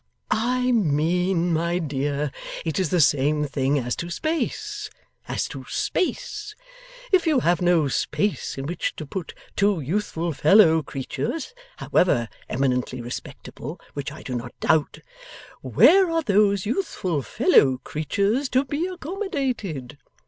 'I mean, my dear, it is the same thing as to space. As to space. If you have no space in which to put two youthful fellow creatures, however eminently respectable, which I do not doubt, where are those youthful fellow creatures to be accommodated?